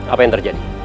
apa yang terjadi